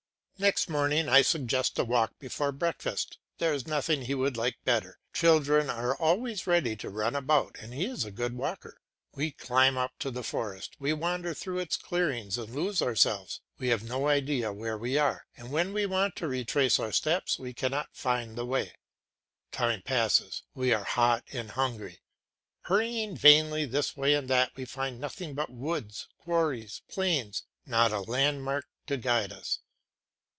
Next morning I suggest a walk before breakfast; there is nothing he would like better; children are always ready to run about, and he is a good walker. We climb up to the forest, we wander through its clearings and lose ourselves; we have no idea where we are, and when we want to retrace our steps we cannot find the way. Time passes, we are hot and hungry; hurrying vainly this way and that we find nothing but woods, quarries, plains, not a landmark to guide us.